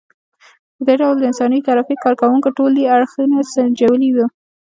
په دې ډول د انساني ترافیک کار کوونکو ټولي اړخونه سنجولي وو.